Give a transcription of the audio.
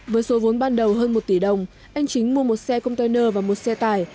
với số vốn ban đầu hơn một tỷ đồng anh chính mua một xe container và một xe tải